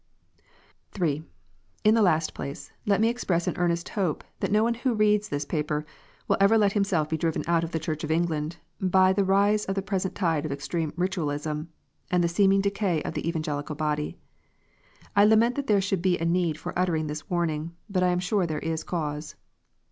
(3) In the last place, let me express an earnest hope that no one who reads this paper will ever let himself lie driven out of the Church of England by the rise of the present tide of extreme Ritualism, and the seeming decay of the Evangelical body. I lament that there should be a need for uttering this warning, but I am sure there is a cause.